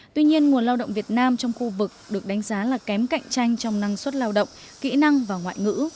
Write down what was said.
tuy nhiên nguồn lao động việt nam trong khu vực được đánh giá là kém cạnh tranh trong năng suất lao động kỹ năng và ngoại ngữ